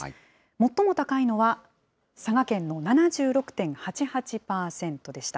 最も高いのは佐賀県の７６．８８％でした。